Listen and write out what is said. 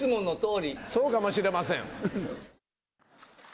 そうかもしれません。